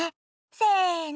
せの。